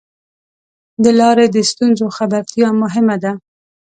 د لارې د ستونزو خبرتیا مهمه ده.